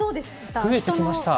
増えてきました。